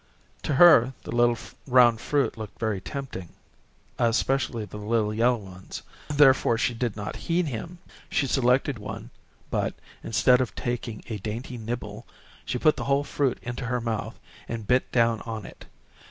To her the little round fruit looked very tempting, especially the light yellow ones. Therefore she did not heed him. She selected one, but, instead of taking a dainty nibble, she put the whole fruit into her mouth, and bit down on it.